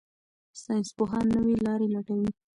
ساینسپوهان نوې لارې لټوي.